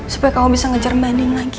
supaya kamu bisa ngejar banding lagi